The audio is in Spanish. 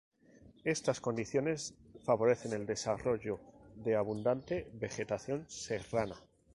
Estas condiciones favorecen el desarrollo de abundante vegetación serrana.